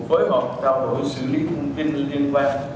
phối hợp trao đổi xử lý thông tin liên quan